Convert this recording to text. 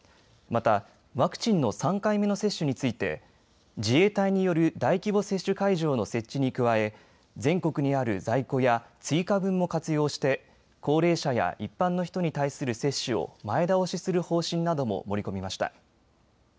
また、ワクチンの３回目の接種について自衛隊による大規模接種会場の設置に加え全国にある在庫や追加分も活用して高齢者や一般の人に対する接種を前倒しする方針なども盛り込みました。